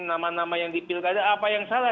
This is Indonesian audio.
nama nama yang dipilih ada apa yang salah